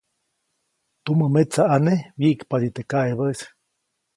Tumämetsaʼane wyiʼkpadi teʼ kaʼebäʼis.